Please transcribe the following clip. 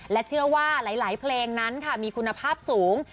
และเชื่อว่าหลายเพลงนั้นค่ะมีคุณภาพสูง